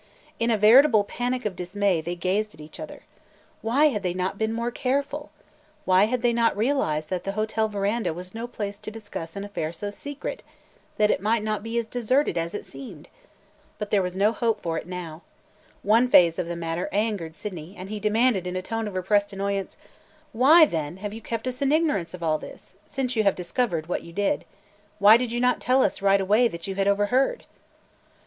In a veritable panic of dismay, they gazed at each other. Why had they not been more careful? Why had they not realized that the hotel veranda was no place to discuss an affair so secret – that it might not be as deserted as it seemed! But there was no help for it now. One phase of the matter angered Sydney, and he demanded, in a tone of repressed annoyance: "Why then have you kept us in ignorance of all this, since you have discovered what you did? Why did you not tell us right away that you had – overheard?"